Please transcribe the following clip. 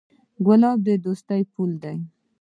ګلاب د دوستۍ پُل دی.